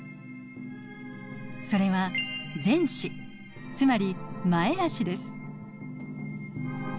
それは前肢つまり前あしです。